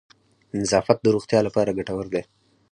نظافت د روغتیا لپاره گټور دی.